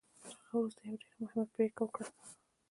تر هغه وروسته يې يوه ډېره مهمه پريکړه وکړه.